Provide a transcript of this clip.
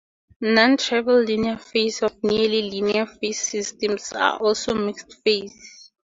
Non-trivial linear phase or nearly linear phase systems are also mixed phase.